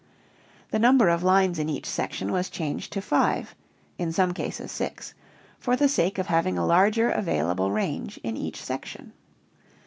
The number of lines in each section was changed to five (in some cases six) for the sake of having a larger available range in each section.